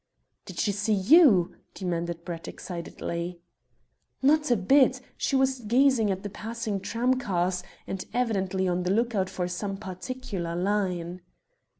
"Did she see you?" demanded Brett excitedly. "Not a bit; she was gazing at the passing tramcars, and evidently on the look out for some particular line."